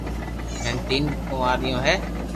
ھين تين ڪواريو ھي